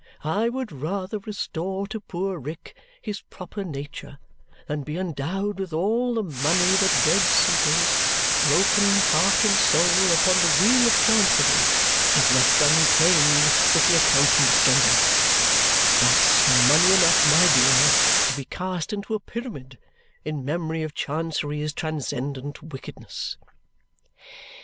I would rather restore to poor Rick his proper nature than be endowed with all the money that dead suitors, broken, heart and soul, upon the wheel of Chancery, have left unclaimed with the Accountant General and that's money enough, my dear, to be cast into a pyramid, in memory of Chancery's transcendent wickedness."